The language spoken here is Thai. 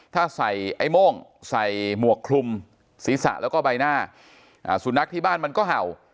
ถ้าใส่ไอ้โม่งใส่หมวกคลุมศีรษะแล้วก็ใบหน้าสุนัขที่บ้านมันก็เห่า